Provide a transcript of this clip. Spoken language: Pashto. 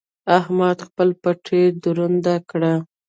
احمد خپل پېټی دروند کړ.